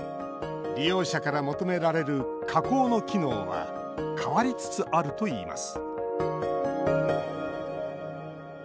利用者から求められる加工の機能は変わりつつあるといいます